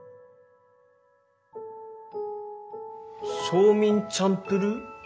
ソーミンチャンプルー？